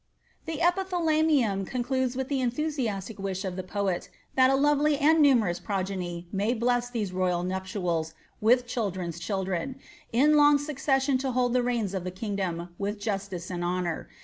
The epithalaminm concludes with the enthusiastic wish of the poet» that a lovely and numerous progeny may bless these royal nuptials with children's children, in long succession to hold the reins of the kingdom, with justice and honour.